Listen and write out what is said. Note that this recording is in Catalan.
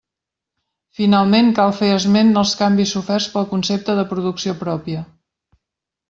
Finalment, cal fer esment als canvis soferts pel concepte de “producció pròpia”.